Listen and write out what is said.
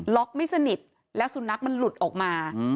ไม่สนิทแล้วสุนัขมันหลุดออกมา